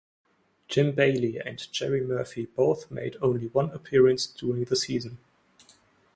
Jim Baillie and Jerry Murphy both made only one appearance during the season.